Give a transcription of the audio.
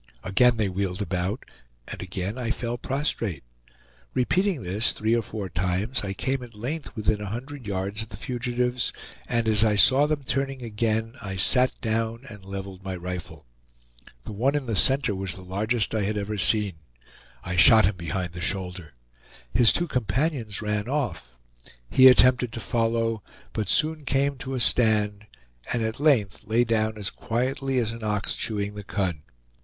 Again they wheeled about, and again I fell prostrate. Repeating this three or four times, I came at length within a hundred yards of the fugitives, and as I saw them turning again I sat down and leveled my rifle. The one in the center was the largest I had ever seen. I shot him behind the shoulder. His two companions ran off. He attempted to follow, but soon came to a stand, and at length lay down as quietly as an ox chewing the cud.